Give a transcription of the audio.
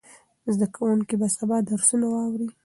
زده کوونکي به سبا درسونه واوري.